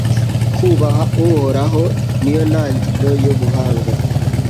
kubaha uhoraho, ni yo ntangiriro y'ubuhanga